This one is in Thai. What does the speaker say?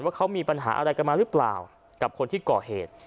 ว่าเขามีปัญหาอะไรกันมาหรือเปล่ากับคนที่ก่อเหตุ